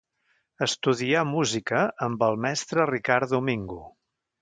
Estudià música amb el mestre Ricard Domingo.